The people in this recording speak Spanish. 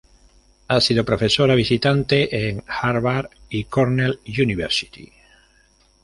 Ha sido profesora visitante en Harvard y Cornell University.